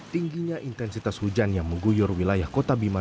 tingginya intensitas hujan yang mengguyur wilayah kota bima